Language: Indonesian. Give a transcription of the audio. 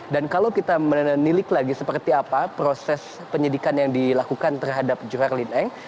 dan kalau kita meneliti lagi seperti apa proses penyidikan yang dilakukan terhadap joharlene eng